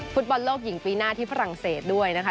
ฟุตบอลโลกหญิงปีหน้าที่ฝรั่งเศสด้วยนะคะ